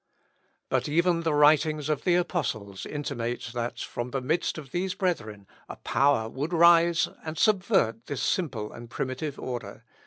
But even the writings of the apostles intimate, that from the midst of these brethren a power would rise and subvert this simple and primitive order.